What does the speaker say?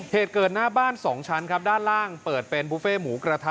เหตุเกิดหน้าบ้านสองชั้นครับด้านล่างเปิดเป็นบุฟเฟ่หมูกระทะ